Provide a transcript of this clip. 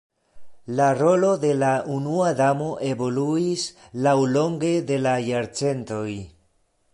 La rolo de la Unua Damo evoluis laŭlonge de la jarcentoj.